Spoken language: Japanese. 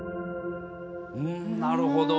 うんなるほど。